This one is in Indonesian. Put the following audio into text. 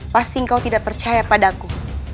pasti engkau tidak percaya padaku